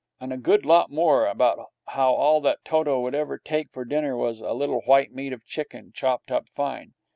And a good lot more about how all that Toto would ever take for dinner was a little white meat of chicken, chopped up fine.